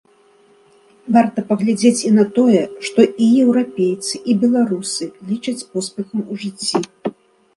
Варта паглядзець і на тое, што і еўрапейцы, і беларусы лічаць поспехам у жыцці.